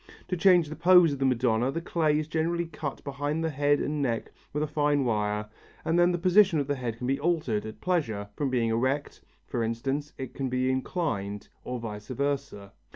To change the pose of the Madonna the clay is generally cut behind the head and neck with a fine wire and then the position of the head can be altered at pleasure; from being erect, for instance, it can be inclined, or vice versa.